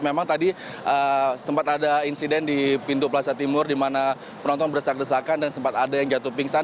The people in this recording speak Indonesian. memang tadi sempat ada insiden di pintu plaza timur di mana penonton berdesak desakan dan sempat ada yang jatuh pingsan